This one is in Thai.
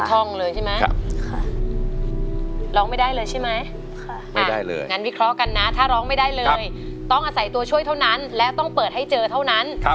ท่องเลยใช่ไหมร้องไม่ได้เลยใช่ไหมไม่ได้เลยงั้นวิเคราะห์กันนะถ้าร้องไม่ได้เลยต้องอาศัยตัวช่วยเท่านั้นและต้องเปิดให้เจอเท่านั้น